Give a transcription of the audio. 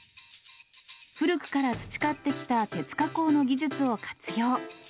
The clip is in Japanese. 古くから培ってきた鉄加工の技術を活用。